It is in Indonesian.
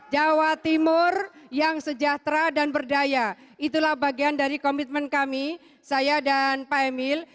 jawa timur yang sejahtera dan berdaya itulah bagian dari komitmen kami saya dan pak emil